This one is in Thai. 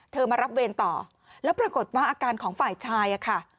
มารับเวรต่อแล้วปรากฏว่าอาการของฝ่ายชายอะค่ะ